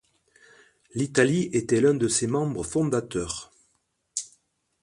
L'Italie était l'un de ses membres fondateurs.